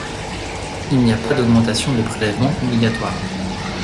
Il n’y a pas d’augmentation de prélèvement obligatoire.